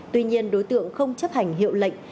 tuy nhiên đối tượng không chấp hành hiệu lệnh